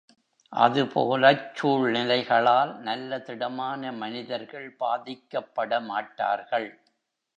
அதுபோலச் சூழ்நிலைகளால் நல்ல திடமான மனிதர்கள் பாதிக்கப்படமாட்டார்கள்.